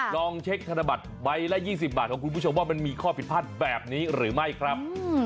ลองเช็คธนบัตรใบละ๒๐บาทของคุณผู้ชมว่ามันมีข้อผิดพลาดแบบนี้หรือไม่ครับ